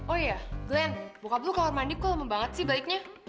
oh iya glenn bokap lo kamar mandi kok lama banget sih baiknya